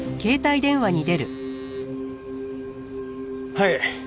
はい。